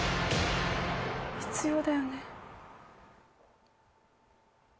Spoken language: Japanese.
必要だよね？